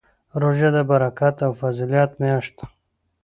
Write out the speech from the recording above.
روژه د برکت او فضیله میاشت ده